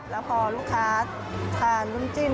แล้วพอลูกค้าทานน้ำจิ้ม